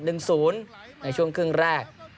นึงศูนย์ในช่วงครึ่งแรก